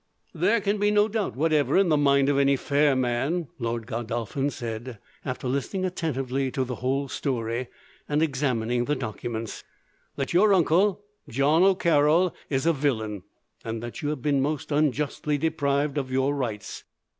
"There can be no doubt whatever, in the mind of any fair man," Lord Godolphin said, after listening attentively to the whole story, and examining the documents, "that your uncle, John O'Carroll, is a villain, and that you have been most unjustly deprived of your rights.